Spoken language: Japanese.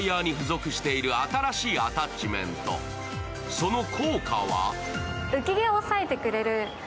その効果は？